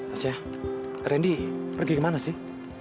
aja randy pergi kemana sih